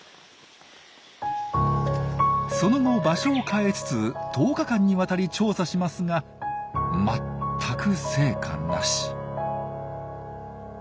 その後場所を変えつつ１０日間にわたり調査しますが全く成果なし。